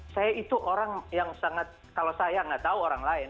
saya itu orang yang sangat kalau saya nggak tahu orang lain